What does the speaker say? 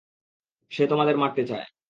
সে তোমাদের মারতে চায়।